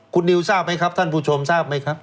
คุณนิวท่านผู้ชมทราบไหมครับ